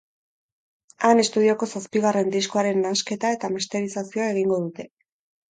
Han, estudioko zazpigarren diskoaren nahasketa eta masterizazioa egingo dute.